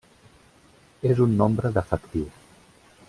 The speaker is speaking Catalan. És un nombre defectiu.